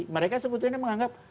mereka sebetulnya menganggap